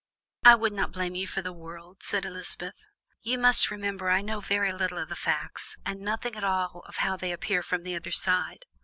"I would not blame you for the world," said Elizabeth. "You must remember I know but little of the facts, and nothing at all of how they appear from the other side.